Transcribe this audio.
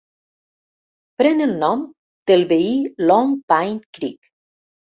Pren el nom del veí Long Pine Creek.